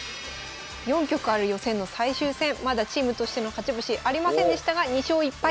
４局ある予選の最終戦まだチームとしての勝ち星ありませんでしたが２勝１敗。